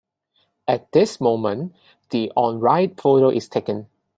At this moment, the on-ride photo is taken.